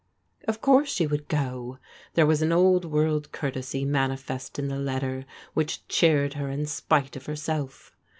Of course she would go. There was an old world courtesy manifest in the letter which cheered her in spite of herself.